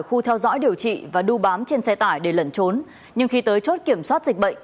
khu theo dõi điều trị và đu bám trên xe tải để lẩn trốn nhưng khi tới chốt kiểm soát dịch bệnh